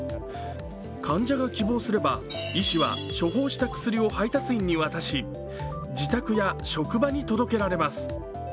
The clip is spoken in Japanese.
患者が希望すれば、医師は処方した薬を配達員に渡し、自宅や職場に届けられます。